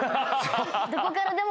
どこからでも。